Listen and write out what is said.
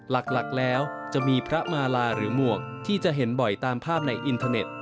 หลักแล้วจะมีพระมาลาหรือหมวกที่จะเห็นบ่อยตามภาพในอินเทอร์เน็ต